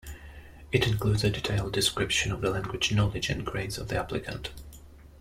It includes a detailed description of the language knowledge and grades of the applicant.